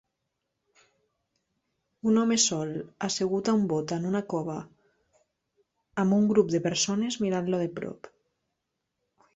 Un home sol assegut a un bot a una cova amb un grup de persones mirant-lo de prop.